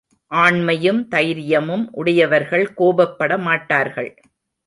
ஆண்மையும் தைரியமும் உடையவர்கள் கோபப்பட மாட்டார்கள்!